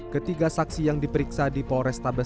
ketiga saksi yang diperiksa di polrestabes